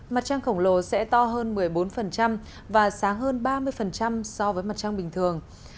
mặt trăng khổng lồ sẽ to hơn một mươi bốn và sáng hơn ba mươi so với mặt trăng bình thường